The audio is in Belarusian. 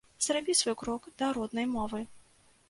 Зрабі свой крок да роднай мовы!